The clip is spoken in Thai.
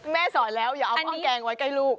สอนแล้วอย่าเอาห้อแกงไว้ใกล้ลูก